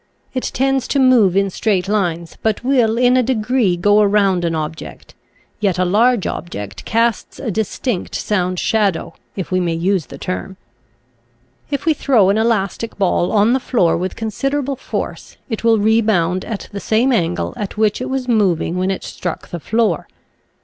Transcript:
It tends to move in straight lines, but will in a degree go around an object; yet a large object casts a distinct sound shadow, if we may use the term. If we throw an elastic ball on the floor with considerable force it will rebound at the same angle at which it was moving when it (~~ j , Original from :l< ~ UNIVERSITY 0FWISC0NSIN 64 ftature'a Piracies, struck the floor.